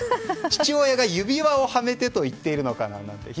父親が指輪をはめてと言っているのかな？と。